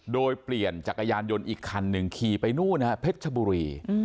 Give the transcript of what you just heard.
โดยเปลี่ยนจักรยานยนต์อีกคันหนึ่งขี่ไปนู่นฮะเพชรชบุรี